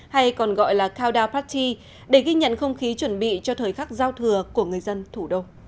hay còn gọi là koda paty để ghi nhận không khí chuẩn bị cho thời khắc giao thừa của người dân thủ đô